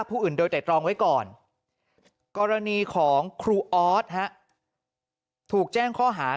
ผู้อื่นโดยแต่ตรองไว้ก่อนกรณีของครูออสถูกแจ้งข้อหา